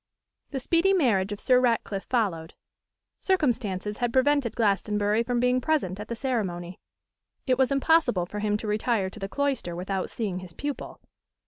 The speedy marriage of Sir Ratcliffe followed. Circumstances had prevented Glastonbury from being present at the ceremony. It was impossible for him to retire to the cloister without seeing his pupil.